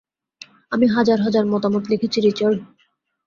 আমি হাজার হাজার মতামত লিখেছি, রিচার্ড।